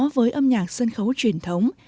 với âm nhạc sân khấu truyền thống